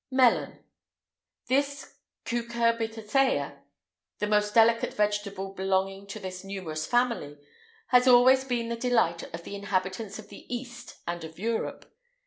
[IX 154] MELON. This cucurbitacea, the most delicate vegetable belonging to this numerous family, has always been the delight of the inhabitants of the East and of Europe.